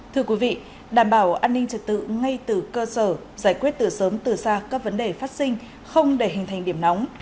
thưa quý vị đảm bảo an ninh trật tự ngay từ cơ sở giải quyết từ sớm từ xa các vấn đề phát sinh không để hình thành điểm nóng